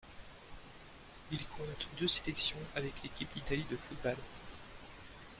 Il compte deux sélections avec l'équipe d'Italie de football.